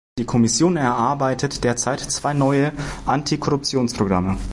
Die Kommission erarbeitet derzeit zwei neue Antikorruptionsprogramme.